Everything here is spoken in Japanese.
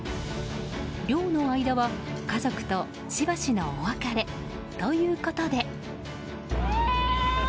漁の間は、家族としばしのお別れということで。